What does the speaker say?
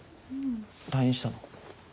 退院したの？